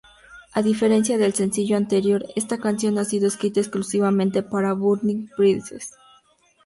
A diferencia del sencillo anterior, esta canción ha sido escrita exclusivamente para Burning Bridges.